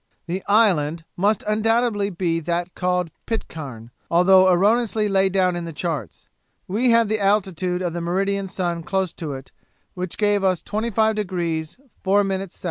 'The island must undoubtedly be that called Pitcairn, although erroneously laid down in the charts. We had the altitude of the meridian sun close to it, which gave us 25° 4' S.